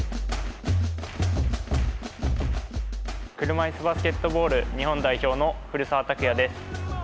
車いすバスケットボール日本代表の古澤拓也です。